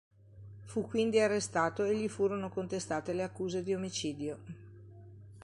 Fu quindi arrestato e gli furono contestate le accuse di omicidio.